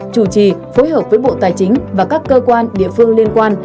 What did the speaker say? chủ trì phối hợp với bộ tài chính và các cơ quan địa phương liên quan